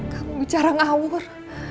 kamu bicara ngawur